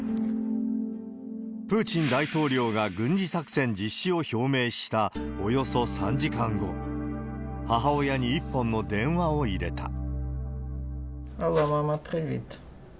プーチン大統領が軍事作戦実施を表明したおよそ３時間後、母親に一本の電話を入れた。